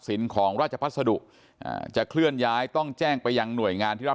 ของราชพัสดุจะเคลื่อนย้ายต้องแจ้งไปยังหน่วยงานที่รับ